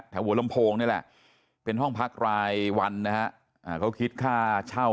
หัวลำโพงนี่แหละเป็นห้องพักรายวันนะฮะเขาคิดค่าเช่า